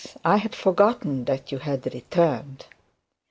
I had forgotten that you had returned.'